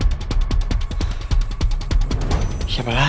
tante itu sudah berubah